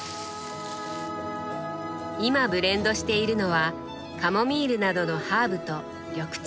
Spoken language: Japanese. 今ブレンドしているのはカモミールなどのハーブと緑茶。